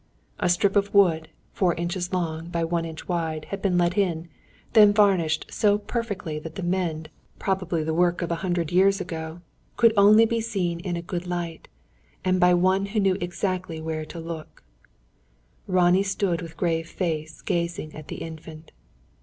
A strip of wood, four inches long, by one inch wide, had been let in, then varnished so perfectly that the mend probably the work of a hundred years ago could only be seen in a good light, and by one who knew exactly where to look. Ronnie stood with grave face gazing at the Infant.